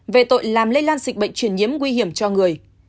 về tội làm lây lan dịch bệnh truyền nhiễm nguy hiểm cho người